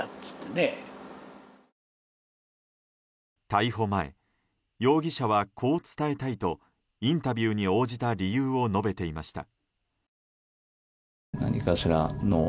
逮捕前、容疑者はこう伝えたいとインタビューに応じた理由を述べていました。